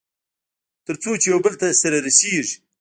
تر څو چې يوبل ته سره رسېږي.